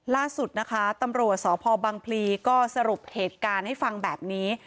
ล่าสุดนะคะตำรวจสพบังพลีก็สรุปเหตุการณ์ให้ฟังแบบนี้